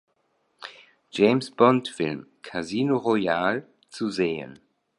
James-Bond-Film "Casino Royale" zu sehen.